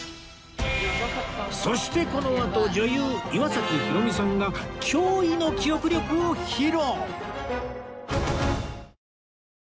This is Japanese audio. そしてこのあと女優岩崎ひろみさんが驚異の記憶力を披露！